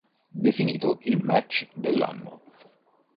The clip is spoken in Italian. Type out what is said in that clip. Definito il match dell'anno.